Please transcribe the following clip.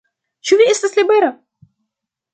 Ĉu vi estas libera?